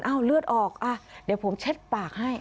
เลือดออกอ่ะเดี๋ยวผมเช็ดปากให้